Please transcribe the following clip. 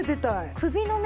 首のね